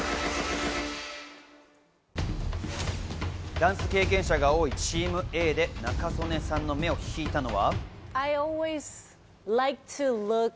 ダンス経験者が多いＴｅａｍＡで仲宗根さんの目を引いたのは。